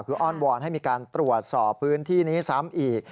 คืออ้อนวอนให้มีการตรวจสอบพื้นที่นี้ซ้ำอีก